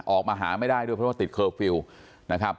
ออกมาหาไม่ได้ด้วยเพราะว่าติดเคอร์ฟิลล์นะครับ